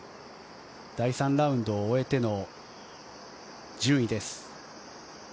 第３ラウンドを終えての順位です。